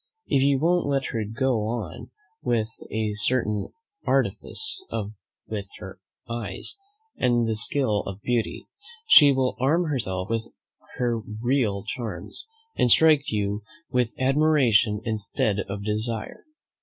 If you won't let her go on with a certain artifice with her eyes, and the skill of beauty, she will arm herself with her real charms, and strike you with admiration instead of desire.